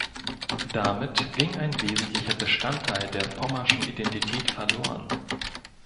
Damit ging ein wesentlicher Bestandteil der pommerschen Identität verloren.